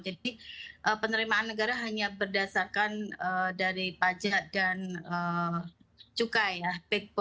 jadi penerimaan negara hanya berdasarkan dari pajak dan cukai ya